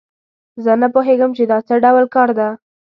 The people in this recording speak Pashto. زه نه پوهیږم چې دا څه ډول کار ده